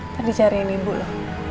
nanti cari yang ibu lo